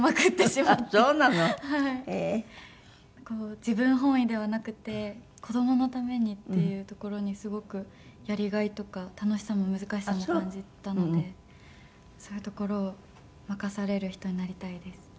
こう自分本位ではなくて子どものためにっていうところにすごくやりがいとか楽しさも難しさも感じたのでそういうところを任される人になりたいです。